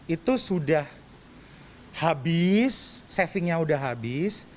itu sudah habis savingnya sudah habis